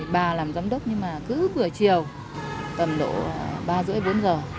bà làm giám đốc nhưng mà cứ buổi chiều tầm độ ba rưỡi bốn giờ